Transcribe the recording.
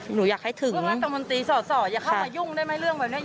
หนูอยากให้ถึง